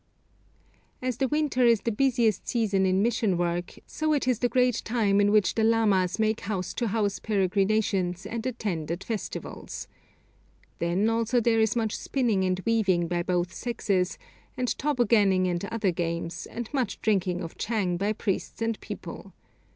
As the winter is the busiest season in mission work, so it is the great time in which the lamas make house to house peregrinations and attend at festivals. Then also there is much spinning and weaving by both sexes, and tobogganing and other games, and much drinking of chang by priests and people.